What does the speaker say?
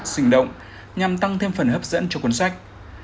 sinh động nhằm tăng thêm phần hấp dẫn cho cuốn sách